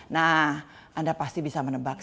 nah anda pasti bisa menebak